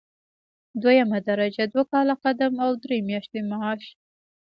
دوهمه درجه دوه کاله قدم او درې میاشتې معاش.